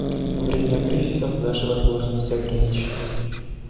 Во времена кризисов наши возможности ограничены.